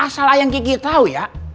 asal ayang kiki tau ya